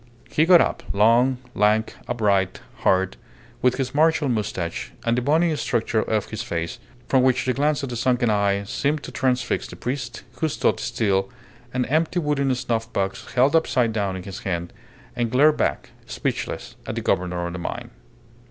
He got up, long, lank, upright, hard, with his martial moustache and the bony structure of his face, from which the glance of the sunken eyes seemed to transfix the priest, who stood still, an empty wooden snuff box held upside down in his hand, and glared back, speechless, at the governor of the mine.